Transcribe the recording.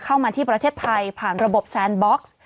เข้ามาที่ประเทศไทยผ่านระบบแซนบ็อกซ์